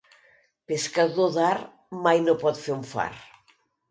Pescador d'art mai no pot fer un fart.